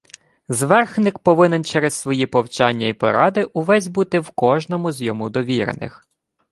Зверхник повинен через свої повчання і поради увесь бути в кожному з йому довірених.